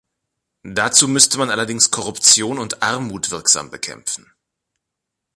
Dazu müsste man allerdings Korruption und Armut wirksam bekämpfen.